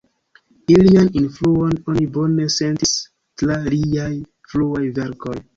Ilian influon oni bone sentis tra liaj fruaj verkoj.